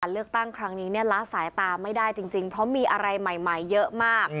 เลือกตั้งครั้งนี้ละสายตาไม่ได้จริงเพราะมีอะไรใหม่เยอะมาก